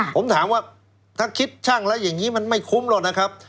ผมถามว่าถ้าคิดช่างแล้วอย่างนี้มันไม่คุ้มหรอกนะครับ